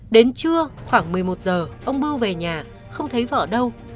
đến trưa khoảng một mươi một h ông bưu về nhà không thấy vợ đâu